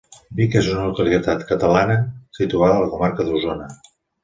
Vic és una localitat catalana situada a la comarca d'Osona.